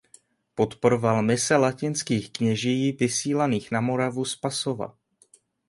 Podporoval mise latinských kněží vysílaných na Moravu z Pasova.